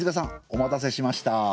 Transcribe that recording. お待たせしました。